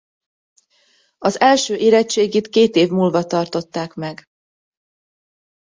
Az első érettségit két év múlva tartották meg.